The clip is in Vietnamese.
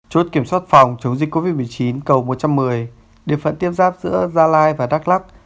chốt kiểm soát phòng chống dịch covid một mươi chín cầu một trăm một mươi địa phận tiếp giáp giữa gia lai và đắk lắc